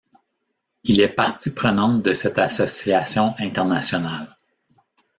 Il est partie prenante de cette association internationale.